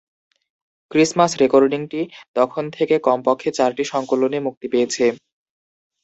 Christmas রেকর্ডিংটি তখন থেকে কমপক্ষে চারটি সংকলনে মুক্তি পেয়েছে।